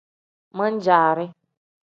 Min-jaari.